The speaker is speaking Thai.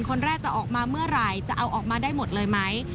คนแรกจะออกมาเมื่อไหร่จะเอาออกมาได้หมดเลยไหม